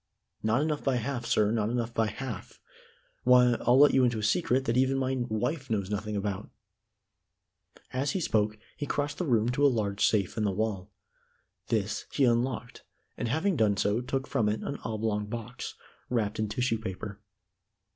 "Not enough by half, sir not enough by half. Why, I'll let you into a secret that even my wife knows nothing about." As he spoke, he crossed the room to a large safe in the wall. This he unlocked and having done so took from it an oblong box, wrapped in tissue paper.